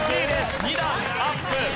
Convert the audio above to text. ２段アップ。